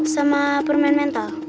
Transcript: sama permen mental